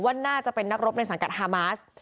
ว่าน่าจะเป็นนักรบในสังกัดฮามาส